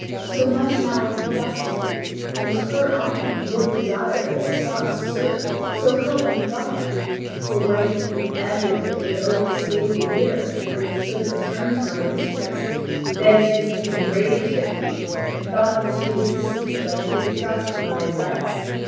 So much now I confess to you: it was her honour and your desire that I sought to serve, so help me God! But when it became evident that you had overstayed the year when you should return to my mistress, then she became enraged at me, and thought that she had been deceived by putting trust in my advice.